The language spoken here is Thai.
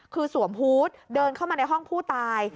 คือสวมฮูตเดินเข้ามาในห้องผู้ตาย